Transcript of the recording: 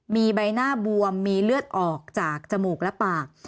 มีใบหน้าบวมมีเลือดออกจากจมูกและปาก